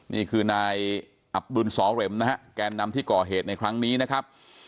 นี่คือนายอับดุลสอเหรมนะฮะแกนนำที่ก่อเหตุในครั้งนี้นะครับ